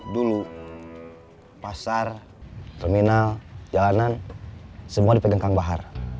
dulu pasar terminal jalanan semua dipegang kang bahar